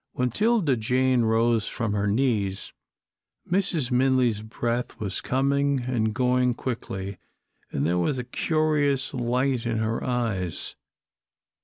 When 'Tilda Jane rose from her knees, Mrs. Minley's breath was coming and going quickly, and there was a curious light in her eyes.